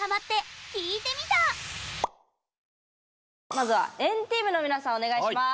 まずは＆ＴＥＡＭの皆さんお願いします！